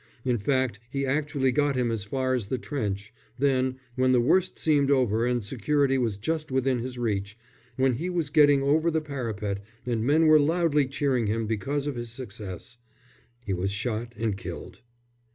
In fact he actually got him as far as the trench, then, when the worst seemed over and security was just within his reach, when he was getting over the parapet and men were loudly cheering him because of his success, he was shot and killed.